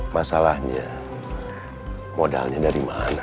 masalahnya modalnya dari mana